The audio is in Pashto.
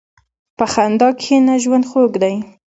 په خندا کښېنه، ژوند خوږ دی.